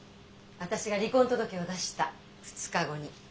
私が離婚届を出した２日後に。